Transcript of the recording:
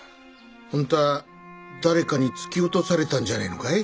本当は誰かに突き落とされたんじゃねえのかい？